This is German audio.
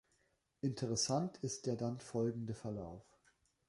Interessant ist der dann folgende Verlauf.